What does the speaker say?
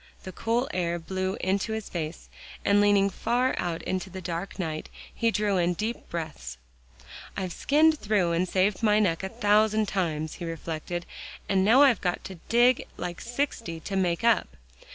The cool air blew into his face, and leaning far out into the dark night, he drew in deep breaths. "I've skinned through and saved my neck a thousand times," he reflected, "and now I've got to dig like sixty to make up.